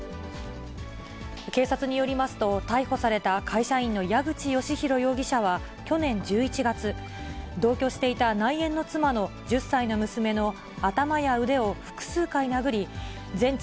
警察によりますと、逮捕された会社員の矢口舜大容疑者は去年１１月、同居していた内縁の妻の１０歳の娘の頭や腕を複数回殴り、全治